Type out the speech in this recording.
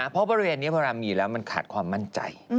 เพราะบริเวณนี้พอเรามีแล้วมันขาดความมั่นใจ